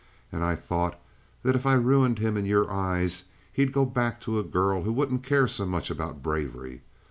And I thought that if I ruined him in your eyes he'd go back to a girl who wouldn't care so much about bravery.